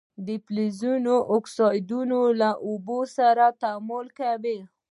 د فلزونو اکسایدونه له اوبو سره تعامل کوي.